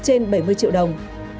trên bảy mươi triệu đồng